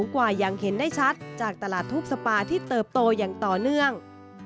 กว่าอย่างเห็นได้ชัดจากตลาดทูปสปาที่เติบโตอย่างต่อเนื่อง